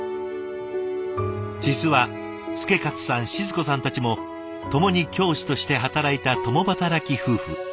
実は祐勝さん静子さんたちも共に教師として働いた共働き夫婦。